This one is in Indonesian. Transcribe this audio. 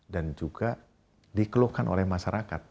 dan juga dikeluhkan oleh masyarakat